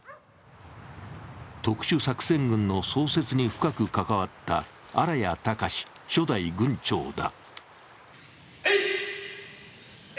特殊作戦群の創設に深く関わった荒谷卓初代群長だ。